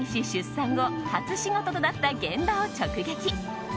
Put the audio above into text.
出産後初仕事となった現場を直撃。